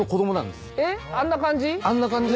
あんな感じ？